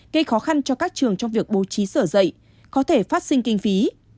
gây khó khăn cho các trường trong việc bố trí sở dạy có thể phát sinh kinh phí